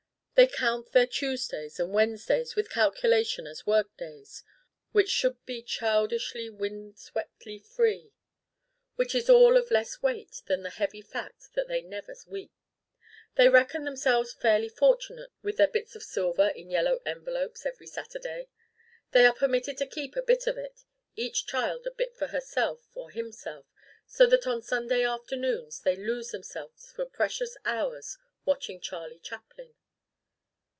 They count their Tuesdays and Wednesdays with calculation as work days, which should be childishly wind sweptly free. Which is all of less weight than the heavy fact that they never weep. They reckon themselves fairly fortunate with their bits of silver in yellow envelopes every Saturday. They are permitted to keep a bit of it, each child a bit for herself or himself, so that on Sunday afternoons they lose themselves for precious hours watching Charlie Chaplin.